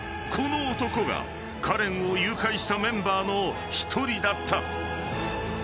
［この男がカレンを誘拐したメンバーの一人だった］